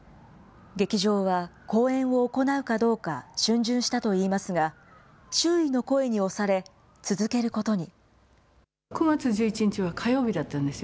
劇場は公演を行うかどうか、しゅん巡したといいますが、周囲の声に押され、続けることに。